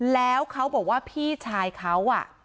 แล้วเขาบอกว่าพี่ชายเขา